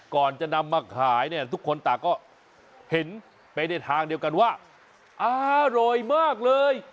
ก่อนจะนำมาขายเนี่ยทุกคนต่างก็เห็นไปในทางเดียวกันว่าอร่อยมากเลย